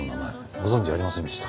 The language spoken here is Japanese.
ご存じありませんでしたか？